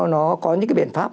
nó có những cái biện pháp